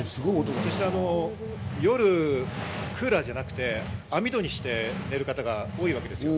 そして夜、クーラーじゃなくて網戸にして寝る方が多いわけですよ。